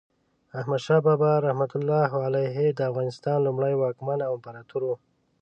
احمد شاه بابا رحمة الله علیه د افغانستان لومړی واکمن او امپراتور و.